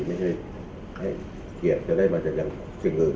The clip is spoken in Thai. ไม่ใช่ให้เกลียดจะได้มาจากอย่างสิ่งอื่น